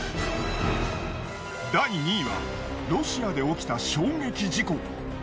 第２位はロシアで起きた衝撃事故。